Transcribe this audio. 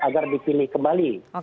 agar dipilih kembali